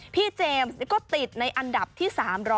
เจมส์ก็ติดในอันดับที่๓๐๐